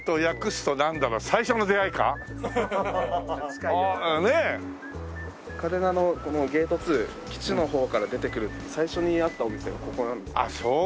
嘉手納のこのゲート２基地の方から出てくると最初にあったお店がここなんですね。